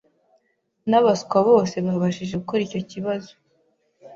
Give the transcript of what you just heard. N'abaswa bose babashije gukora icyo kibazo